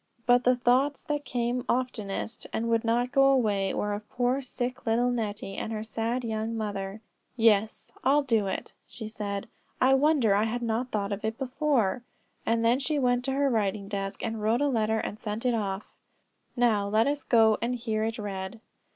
But the thoughts that came oftenest, and would not go away, were of poor sick little Nettie, and her sad young mother. "Yes, I'll do it," she said; "I wonder I had not thought of it before." Then she went to her writing desk, and wrote a letter and sent it off. Now let us go and hear it read.